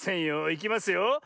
いきますよ。